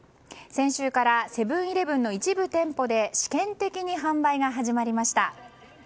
先週からセブン‐イレブンの一部店舗で試験的に販売が始まりました。